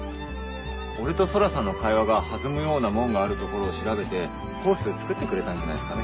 俺と空さんの会話が弾むようなもんがある所を調べてコース作ってくれたんじゃないですかね。